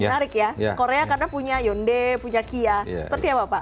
menarik ya korea karena punya hyundai punya kia seperti apa pak